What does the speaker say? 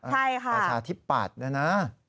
ประชาธิปัตย์ด้วยนะ